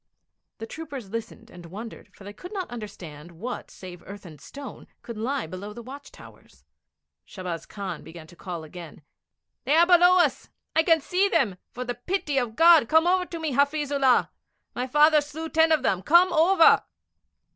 The troopers listened and wondered, for they could not understand what save earth and stone could lie below the watch towers. Shahbaz Khan began to call again: 'They are below us. I can see them. For the pity of God come over to me, Hafiz Ullah! My father slew ten of them. Come over!'